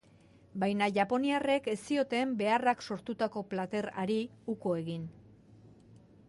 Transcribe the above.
Baina japoniarrek ez zioten beharrak sortutako plater hari uko egin.